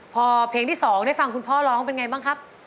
พอเพลงที่๒ได้ฟังคุณพ่อร้องเป็นไงบ้างครับ